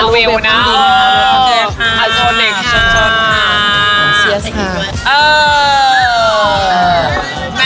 อันดับสวัสดีค่ะ